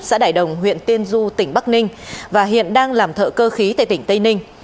xã đại đồng huyện tiên du tỉnh bắc ninh và hiện đang làm thợ cơ khí tại tỉnh tây ninh